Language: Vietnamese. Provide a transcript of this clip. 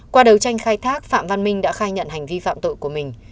qua đấu tranh khai thác phạm văn minh đã khai nhận hành vi phạm tội của mình